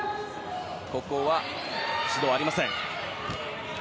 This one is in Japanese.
ここは指導はありません。